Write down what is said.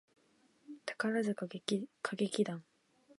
宝塚歌劇団